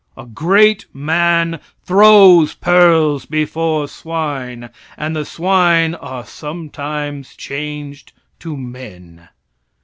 A great man throws pearls before swine, and the swine are sometimes changed to men.